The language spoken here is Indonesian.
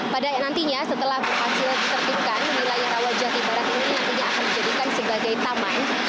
pada nantinya setelah berhasil ditertipkan wilayah rawajati barat ini nantinya akan dijadikan sebagai taman